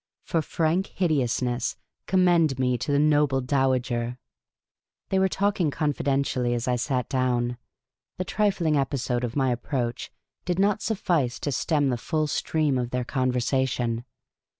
For frank hideousness, commend me to the noble dowager. They were talking confidentially as I sat down ; the trifling episode of my approach did not suffice to stem the full stream of their conversation.